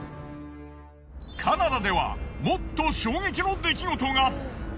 カナダではもっと衝撃の出来事が。